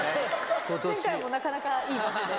前回もなかなかいい場所で。